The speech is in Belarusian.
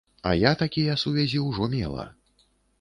А я такія сувязі ўжо мела.